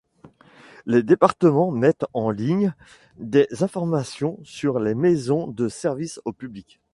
Les départements mettent en ligne des informations sur les maisons de services au public.